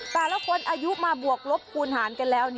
แต่ละคนอายุมาบวกลบคูณหารกันแล้ว